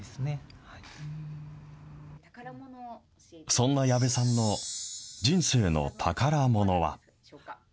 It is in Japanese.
そんな矢部さんの人生の宝ものは。